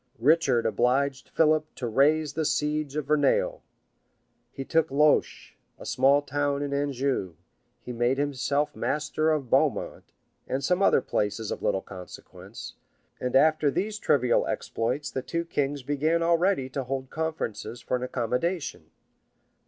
Richard obliged Philip to raise the siege of Verneuil; he took Loches, a small town in Anjou; he made himself master of Beaumont, and some other places of little consequence; and after these trivial exploits, the two kings began already to hold conferences for an accommodation.